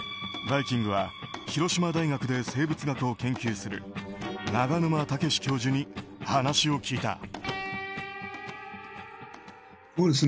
「バイキング」は広島大学で生物学を研究する長沼毅教授に話を聞いた。